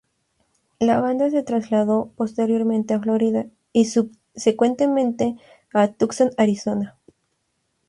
La banda se trasladó posteriormente a Florida, y subsecuentemente, a Tucson, Arizona.